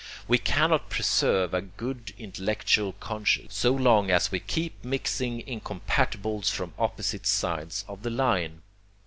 We cannot preserve a good intellectual conscience so long as we keep mixing incompatibles from opposite sides of the line.